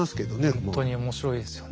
ほんとに面白いですよね。